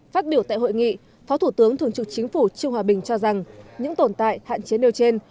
phát biểu tại hội nghị phó thủ tướng thường trực chính phủ trương hòa bình cho rằng những tồn tại hạn chế nêu trên